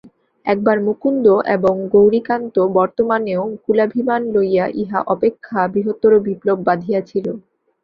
একবার মুকুন্দ এবং গৌরীকান্ত বর্তমানেও কুলাভিমান লইয়া ইহা অপেক্ষা বৃহত্তর বিপ্লব বাধিয়াছিল।